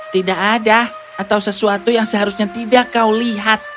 tidak ada atau sesuatu yang seharusnya tidak kau lihat